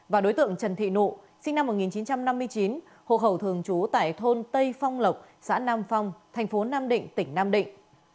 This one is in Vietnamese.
và đối tượng trần thị nụ sinh năm một nghìn chín trăm năm mươi chín hộ khẩu thường trú tại thôn tây phong lộc xã nam phong thành phố nam định tỉnh nam định